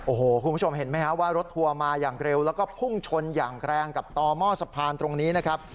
โอ้โหคุณผู้ชมเห็นไหมฮะว่ารถทัวร์มาอย่างเร็วแล้วก็พุ่งชนอย่างแรงกับต่อหม้อสะพานตรงนี้นะครับ